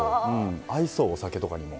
合いそうお酒とかにも。